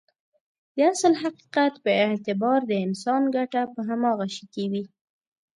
د اصل حقيقت په اعتبار د انسان ګټه په هماغه شي کې وي.